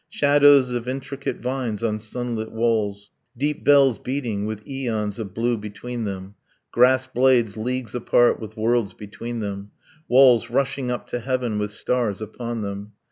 ... Shadows of intricate vines on sunlit walls, Deep bells beating, with aeons of blue between them, Grass blades leagues apart with worlds between them, Walls rushing up to heaven with stars upon them.